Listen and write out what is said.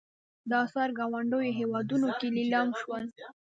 دا اثار ګاونډیو هېوادونو کې لیلام شول.